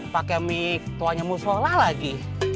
pakai mie tuanya musola lagi